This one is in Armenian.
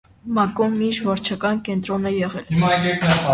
Մակուն միշտ վարչական կենտրոն է եղել։